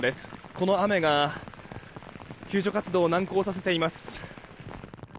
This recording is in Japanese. この雨が救助活動を難航させています。